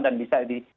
dan bisa di